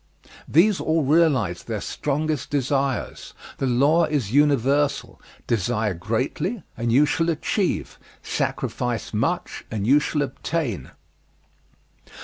These all realized their strongest desires. The law is universal. Desire greatly, and you shall achieve; sacrifice much, and you shall obtain.